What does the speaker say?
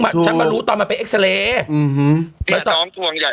มาฉันมารู้ตอนมาเป็นเอ็กซ์เรย์อื้อฮือน้องทวงใหญ่